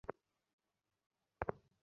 বস্তুকে কখনও ধ্বংস করিতে পারে না।